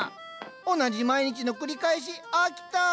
同じ毎日の繰り返し。飽きた。